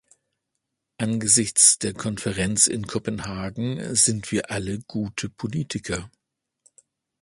Angesichts der Konferenz in Kopenhagen sind wir alle gute Politiker.